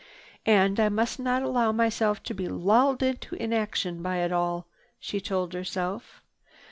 "And I must not allow myself to be lulled into inaction by it all," she told herself.